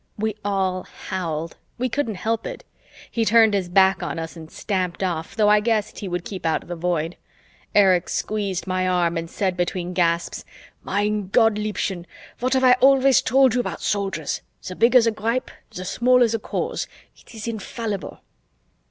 We all howled, we couldn't help it. He turned his back on us and stamped off, though I guessed he would keep out of the Void. Erich squeezed my arm and said between gasps, "Mein Gott, Liebchen, what have I always told you about Soldiers? The bigger the gripe, the smaller the cause! It is infallible!"